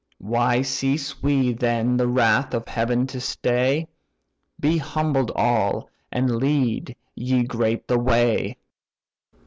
Why cease we then the wrath of heaven to stay? Be humbled all, and lead, ye great! the way.